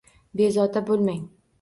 Bezovta bo'lmang.